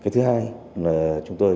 thứ hai là chúng tôi